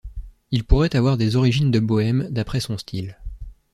Il pourrait avoir des origines de Bohême, d'après son style.